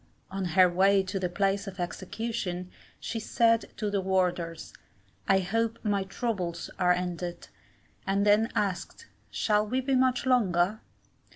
On her way to the place of execution, she said to the warders, I hope my trubles are ended, and then asked, 'Shall we be much longer?